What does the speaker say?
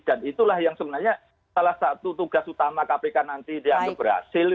dan itulah yang sebenarnya salah satu tugas utama kpk nanti dianggap berhasil